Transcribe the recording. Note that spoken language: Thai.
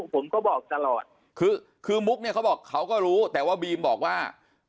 ผมก็บอกตลอดคือคือมุกเนี่ยเขาบอกเขาก็รู้แต่ว่าบีมบอกว่า